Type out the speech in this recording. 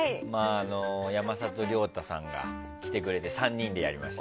山里亮太さんが来てくれて３人でやりました。